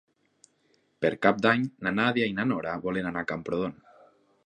Per Cap d'Any na Nàdia i na Nora voldrien anar a Camprodon.